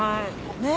ねえ。